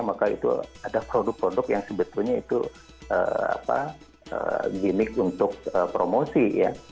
maka itu ada produk produk yang sebetulnya itu gimmick untuk promosi ya